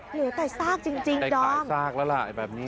เหลือแต่ซากจริงดอมซากแล้วล่ะแบบนี้